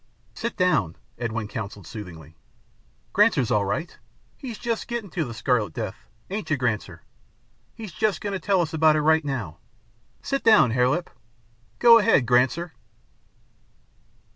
"Sit down," Edwin counselled soothingly. "Granser's all right. He's just gettin' to the Scarlet Death, ain't you, Granser? He's just goin' to tell us about it right now. Sit down, Hare Lip. Go ahead, Granser."